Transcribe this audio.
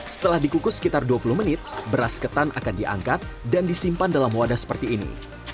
setelah dikukus sekitar dua puluh menit beras ketan akan diangkat dan disimpan dalam wadah seperti ini